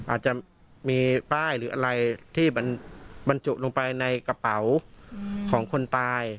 อาจจะมีป้ายหรืออะไรที่มันบรรจุลงไปในกระเป๋าของคนตาย